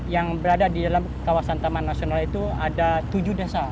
yang berada di dalam kawasan taman nasional itu ada tujuh desa